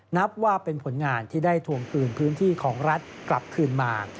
นับว่าเป็นผลงานที่ได้ทวงคืนพื้นที่ของรัฐกลับคืนมา